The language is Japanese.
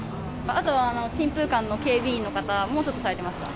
あとは新風館の警備員の方もちょっとされてました。